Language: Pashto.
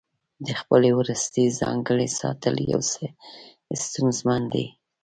د خپلې وروستۍ ځانګړنې ساتل یو څه ستونزمن دي.